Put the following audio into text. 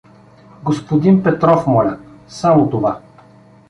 — Господин Петров, моля… Само това?